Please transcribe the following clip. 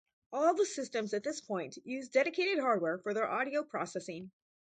All the systems at this point used dedicated hardware for their audio processing.